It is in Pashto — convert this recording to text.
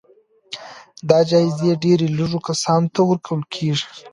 دا جايزې ډېر لږو کسانو ته ورکول کېږي.